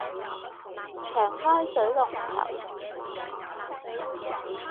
長開水龍頭